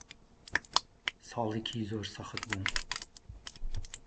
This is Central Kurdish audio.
ساڵێکی زۆر سەخت بوو.